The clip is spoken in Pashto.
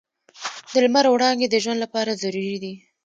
د لمر وړانګې د ژوند لپاره ضروري دي.